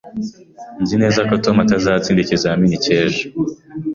Nzi neza ko Tom atazatsinda ikizamini cy'ejo.